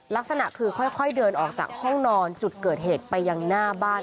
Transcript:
ลักษณะคือค่อยเดินออกจากห้องนอนจุดเกิดเหตุไปยังหน้าบ้าน